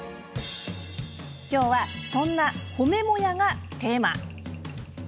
今日はそんな「褒めモヤ」がテーマ！